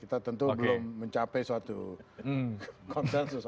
kita tentu belum mencapai suatu konsensus